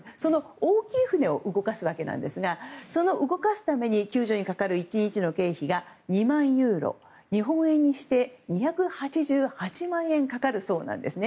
大きい船を動かすわけなんですがそれを動かすため救助にかかる１日の経費が２万ユーロ日本円にして２８８万円かかるそうなんですね。